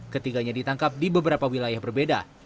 ketiganya ditangkap di beberapa wilayah berbeda